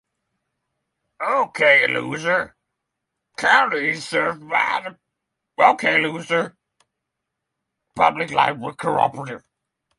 Okaloosa County is served by the Okaloosa County Public Library Cooperative.